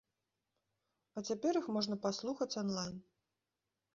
А цяпер іх можна паслухаць он-лайн.